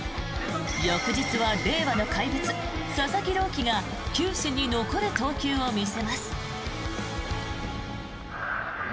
翌日は令和の怪物、佐々木朗希が球史に残る投球を見せます。